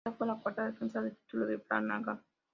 Esta fue la cuarta defensa del título de Flanagan.